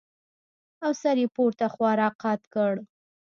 او سر يې پورته خوا راقات کړ.